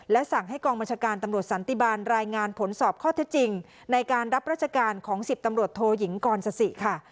สั่งให้กองบัญชาการตำรวจสันติบาลรายงานผลสอบข้อเท็จจริงในการรับราชการของ๑๐ตำรวจโทยิงกรสสิค่ะ